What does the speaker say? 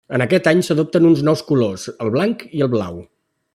En aquest any s'adopten uns nous colors, el blanc i el blau.